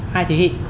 hai thế hệ